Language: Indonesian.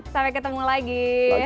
sampai ketemu lagi